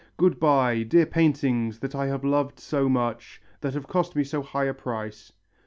Good bye, dear paintings that I have loved so much, that have cost me so high a price!